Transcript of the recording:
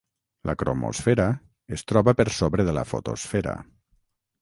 La cromosfera es troba per sobre de la fotosfera.